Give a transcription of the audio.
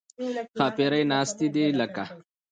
ښاپېرۍ ناستې دي لکه